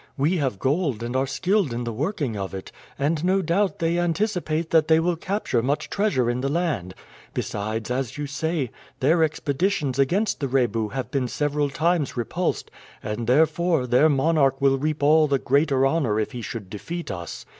We have gold and are skilled in the working of it, and no doubt they anticipate that they will capture much treasure in the land; besides, as you say, their expeditions against the Rebu have been several times repulsed, and therefore their monarch will reap all the greater honor if he should defeat us.